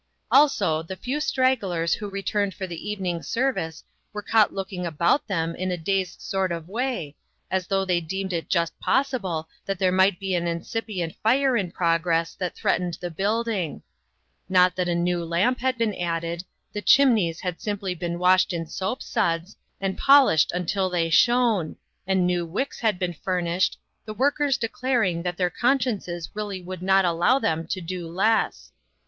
Also the few stragglers who returned for the evening service were caught looking about them in a dazed sort of way, as though they deemed it just possible that there might be an incipient fire in progress that threatened the building. Not that a new lamp had been added ; the chimneys had simply been washed in soapsuds, and polished INNOVATIONS. IQ3 until they shone, and new wicks had been furnished, the workers declaring that their consciences really would not allow them to do less.